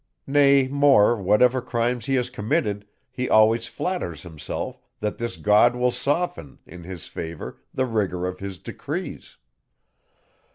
Nay more, whatever crimes he has committed, he always flatters himself, that this God will soften, in his favour, the rigour of his decrees.